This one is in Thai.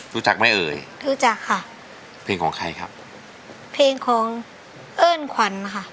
รู้จักไหมเอ่ยรู้จักค่ะเพลงของใครครับเพลงของเอิ้นขวัญค่ะ